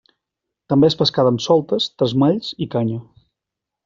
També és pescada amb soltes, tresmalls i canya.